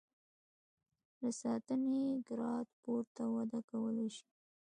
له سانتي ګراد پورته وده کولای شي.